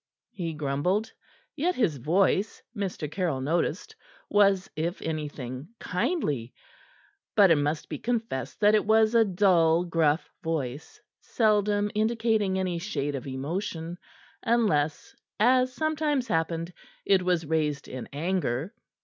he grumbled; yet his voice, Mr. Caryll noticed, was if anything kindly; but it must be confessed that it was a dull, gruff voice, seldom indicating any shade of emotion, unless as sometimes happened it was raised in anger.